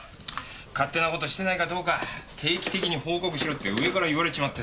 勝手な事してないかどうか定期的に報告しろって上から言われちまってさ。